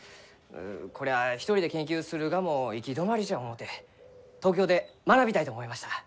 こりゃあ一人で研究するがも行き止まりじゃ思うて東京で学びたいと思いました。